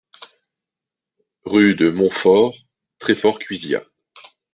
Rue de Montfort, Treffort-Cuisiat